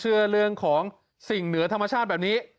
เชื่อเรื่องของสิ่งเหนือธรรมชาติแบบนี้